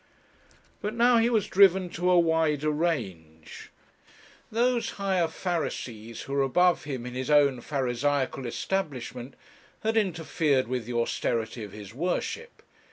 But now he was driven to a wider range. Those higher Pharisees who were above him in his own pharisaical establishment, had interfered with the austerity of his worship.